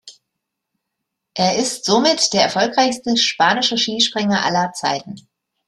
Er ist somit der erfolgreichste spanische Skispringer aller Zeiten.